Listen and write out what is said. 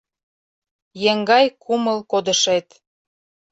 Еҥгай кумыл кодышет.